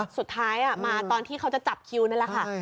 สุดท้ายมาตอนที่เขาจะจับคิวนั่นแหละค่ะ